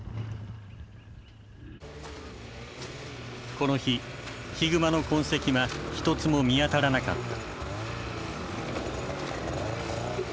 この日ヒグマの痕跡は一つも見当たらなかった。